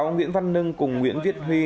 nguyễn văn nưng cùng nguyễn viết huy